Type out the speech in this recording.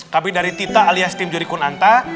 tapi dari tita alias tim juri kunanta